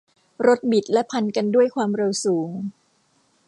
รถบิดและพันกันด้วยความเร็วสูง